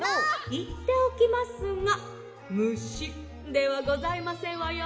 「いっておきますが『むし』ではございませんわよ」。